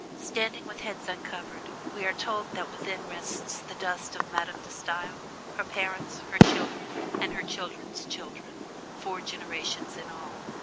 Standing with heads uncovered, we are told that within rests the dust of Madame De Stael, her parents, her children, and her children's children four generations in all.